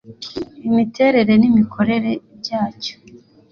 imiterere n imikorere byacyo